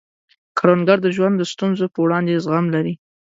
کروندګر د ژوند د ستونزو په وړاندې زغم لري